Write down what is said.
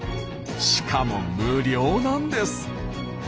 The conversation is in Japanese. しかも無料なんです。